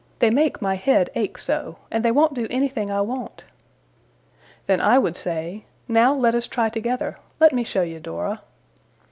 They make my head ache so. And they won't do anything I want!' Then I would say, 'Now let us try together. Let me show you, Dora.